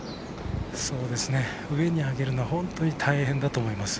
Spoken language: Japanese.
上に上げるのは本当に大変だと思います。